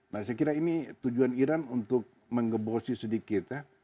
nah saya kira ini tujuan iran untuk mengebosi sedikit ya